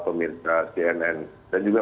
pemirsa cnn dan juga